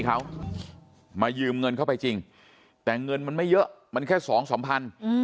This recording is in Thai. เขามายืมเงินเข้าไปจริงแต่เงินมันไม่เยอะมันแค่สองสามพัน